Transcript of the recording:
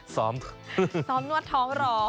ซอมนวดท้องรอ